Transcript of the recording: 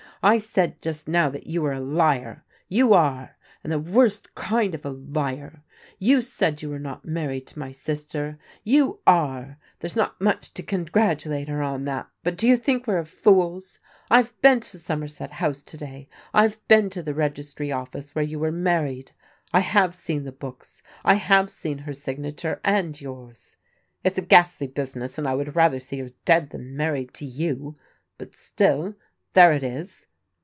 I said just now that you were a liar; you are; and the worst kind of a liar. You said you were not married to my sister. You are. There's not much to congratulate her on that, but do you think we are fools ? I have been to Somerset House to day, I have been to the Registry Office where you were married: I have seen the books, I have seen her signature and yours. It's a ghastly business, and I would rather see her dead than married to you, but still there it is.